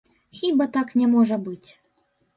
Хіба так не можа быць?